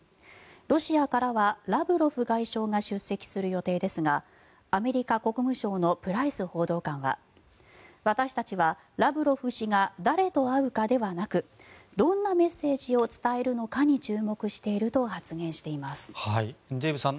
ロシアからはラブロフ外相が出席する予定ですがアメリカ国務省のプライス報道官は私たちはラブロフ氏が誰と会うかではなくどんなメッセージを伝えるのかに注目していると発言しています。